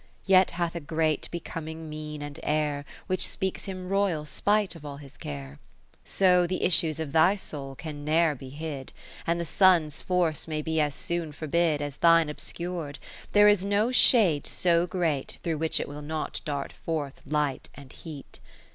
Yet hath a great becoming mien and air, Which speaks hirri Royal spite of all his care : So th' issues of thy soul can ne'er be hid. And the Sun's force may be as soon forbid As thine obscur'd ; there is ho shade so great Through which it will not dart forth light and heat.